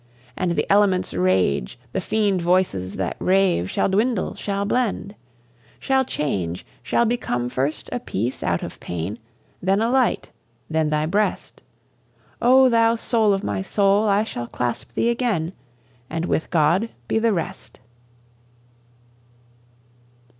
And the elements' rage, the fiend voices that rave Shall dwindle, shall blend, Shall change, shall become first a peace out of pain, Then a light, then thy breast, O thou soul of my soul! I shall clasp thee again, And with God be the rest!